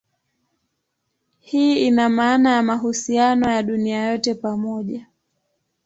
Hii ina maana ya mahusiano ya dunia yote pamoja.